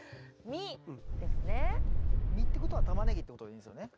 実ってことはタマネギってことでいいんですよね？